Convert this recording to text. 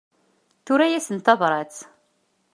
Tura-asen tabrat.